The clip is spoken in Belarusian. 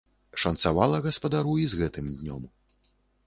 Шанцавала гаспадару і з гэтым днём.